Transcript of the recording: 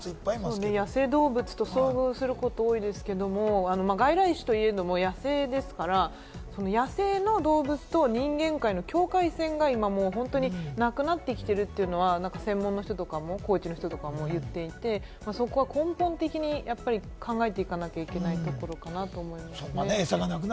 野生動物と遭遇すること多いですけれども、外来種といえども野生ですから、野生の動物と人間界の境界線が今、本当になくなってきているというのは専門の人とかも高知の人とかも言っていて、そこは根本的に考えていかなきゃいけないところかなと思いますね。